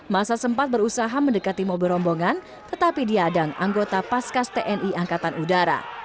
masa sempat berusaha mendekati mobil rombongan tetapi diadang anggota paskas tni angkatan udara